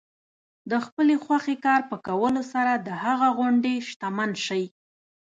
د خپلې خوښې کار په کولو سره د هغه غوندې شتمن شئ.